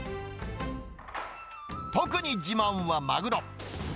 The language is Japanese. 特に自慢はマグロ。